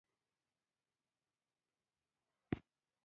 دا خبرې له پښتو ژبې سره د هغه مینه څرګندوي.